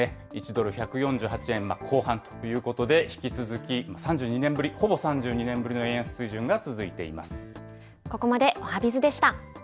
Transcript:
１ドル１４８円後半ということで、引き続き３２年ぶり、ほぼ３２年ぶりの円安水準が続いています。